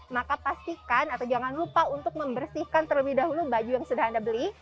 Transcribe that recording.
maka pastikan atau jangan lupa untuk membersihkan terlebih dahulu baju yang sudah anda beli